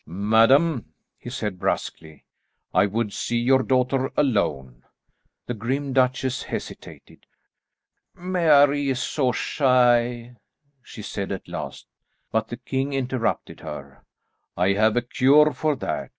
"Madam," he said bruskly, "I would see your daughter alone." The grim duchesse hesitated. "Mary is so shy," she said at last. But the king interrupted her. "I have a cure for that.